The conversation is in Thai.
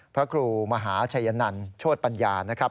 พระครูมหาชัยนันโชธปัญญานะครับ